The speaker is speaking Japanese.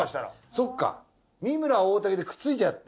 そっか三村大竹でくっついちゃって。